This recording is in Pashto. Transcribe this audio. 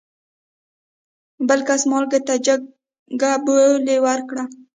بل کس مالک ته جګ بولي ورکړه.